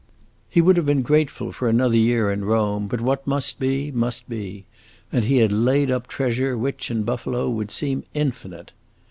He would have been grateful for another year in Rome, but what must be must be, and he had laid up treasure which, in Buffalo, would seem infinite.